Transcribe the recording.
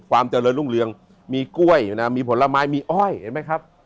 ความเจริญรุ่งเรืองมีกล้วยอยู่นะมีผลไม้มีอ้อยเห็นไหมครับ